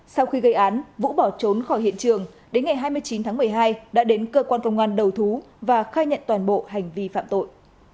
sau khi gây án vũ bỏ trốn khỏi hiện trường đến ngày hai mươi chín tháng một mươi hai đã đến cơ quan công an đầu thú và khai nhận toàn bộ hành vi phạm tội